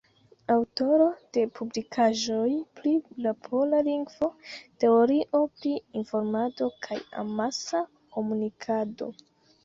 Aŭtoro de publikaĵoj pri la pola lingvo, teorio pri informado kaj amasa komunikado.